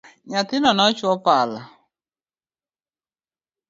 Nyathina nochwo pala